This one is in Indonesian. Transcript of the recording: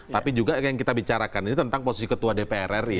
tapi juga yang kita bicarakan ini tentang posisi ketua dpr ri